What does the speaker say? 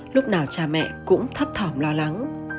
lúc nào cha mẹ cũng thấp thỏm lo lắng